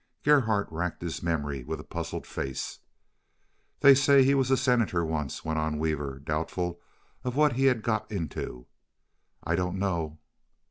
Gerhardt racked his memory with a puzzled face. "They say he was a senator once," went on Weaver, doubtful of what he had got into; "I don't know."